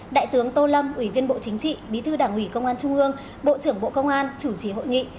đại tướng tô lâm ủy viên bộ chính trị bí thư đảng ủy công an trung ương bộ trưởng bộ công an chủ trì hội nghị